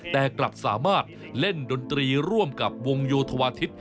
แต่กลับสามารถเล่นดนตรีร่วมกับวงโยธวาทิศ